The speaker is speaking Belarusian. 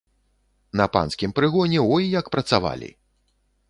На панскім прыгоне, ой, як працавалі!